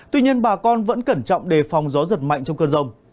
tuy nhiên bà con vẫn cẩn trọng đề phòng gió giật mạnh trong cơn rông